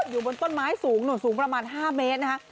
อยู่บนต้นไม้สูงสูงประมาณ๕เมตร